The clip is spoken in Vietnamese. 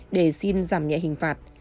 để xin giảm nhẹ hình phạt